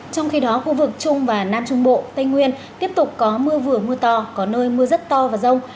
trong khi đó khu vực trung và nam trung bộ tây nguyên tiếp tục có mưa vừa mưa to có nơi mưa rất to và rông